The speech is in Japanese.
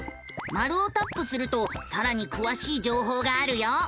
マルをタップするとさらにくわしい情報があるよ。